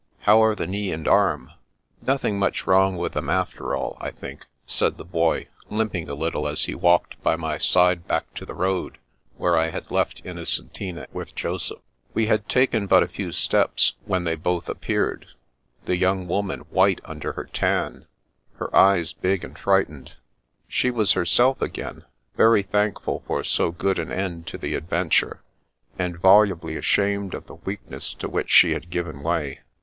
How are the knee and arm ?''" Nothing much wrong with them after all, I think," said the boy, limping a little as he walked by my side back to the road, where I had left Inno centina with Joseph. We had taken but a few steps, when they both appeared, the young woman white under her tan, her eyes big and frightened. She was herself again, very thankful for so good an end to the ad venture, and volubly ashamed of the weakness to which she had given way.